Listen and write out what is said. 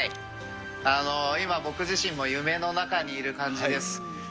今、僕自身も夢の中にいる感じです。